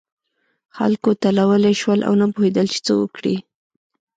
خلک تلولي شول او نه پوهېدل چې څه وکړي.